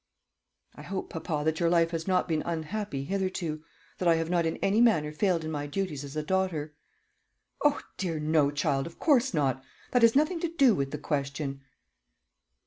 "I hope, papa, that your life has not been unhappy hitherto that I have not in any manner failed in my duties as a daughter." "Oh, dear no, child; of course not. That has nothing to do with the question."